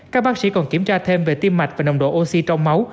các bác sĩ còn kiểm tra thêm về tim mạch và nồng độ oxy trong máu